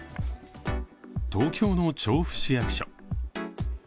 東京の調布市役所。